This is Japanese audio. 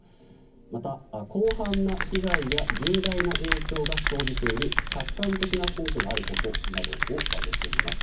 また、広範な被害や重大な影響が生じている客観的な根拠があることなどを挙げています。